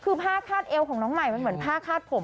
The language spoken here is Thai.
คือผ้าคาดเอวของน้องใหม่มันเหมือนผ้าคาดผม